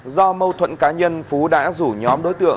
do mâu thuẫn cá nhân phú đã rủ nhóm đối tượng